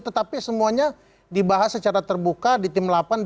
tetapi semuanya dibahas secara terbuka di tim delapan